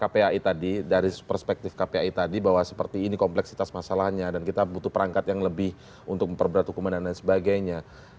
ketika ukuran yang tadi digunakan oleh kpai tadi dari perspektif kpai tadi bahwa seperti ini kompleksitas masalahnya dan kita butuh perangkat yang lebih untuk memperberat hukuman dan lain sebagainya